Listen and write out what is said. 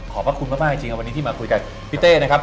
ขอบพักคุณมากจริงวันนี้ที่มาคุยกับพี่เต้นะครับ